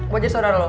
gue jadi saudara lo